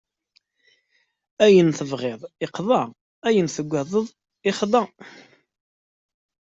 Ayen tebɣiḍ iqḍa, ayen tugadeḍ ixḍa!